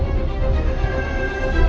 cerita apa ada